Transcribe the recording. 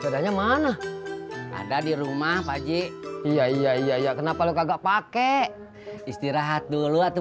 bedanya mana ada di rumah pagi iya iya iya kenapa lo kagak pakai istirahat dulu atau